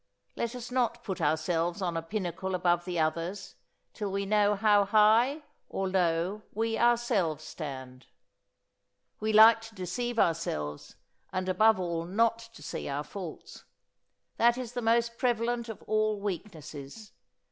Let us not put ourselves on a pinnacle above the others till we know how high or low we ourselves stand. We like to deceive ourselves, and, above all, not to see our faults. That is the most prevalent of all weaknesses.